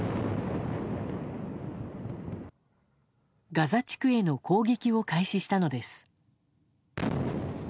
ガザ地区への攻撃を開始したのです。